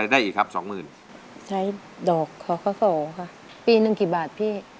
ปีหนึ่งกี่บาท